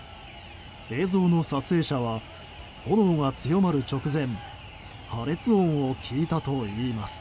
映像の撮影者は炎が強まる直前破裂音を聞いたといいます。